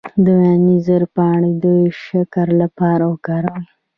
د انځر پاڼې د شکر لپاره وکاروئ